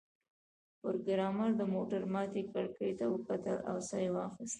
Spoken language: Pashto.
پروګرامر د موټر ماتې کړکۍ ته وکتل او ساه یې واخیسته